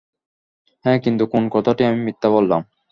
হ্যাঁ, কিন্তু কোন কথাটি আমি মিথ্যা বললাম?